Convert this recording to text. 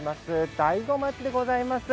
大子町でございます。